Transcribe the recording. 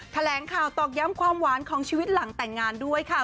แถลงข่าวตอกย้ำความหวานของชีวิตหลังแต่งงานด้วยค่ะ